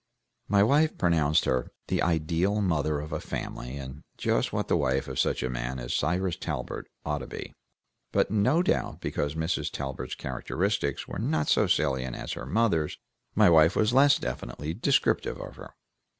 My wife pronounced her the ideal mother of a family, and just what the wife of such a man as Cyrus Talbert ought to be, but no doubt because Mrs. Talbert's characteristics were not so salient as her mother's, my wife was less definitely descriptive of her.